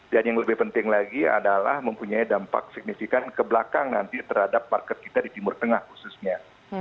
dan yang lebih penting lagi adalah mempunyai dampak signifikan ke belakang nanti terhadap parkir kita di timur tengah khususnya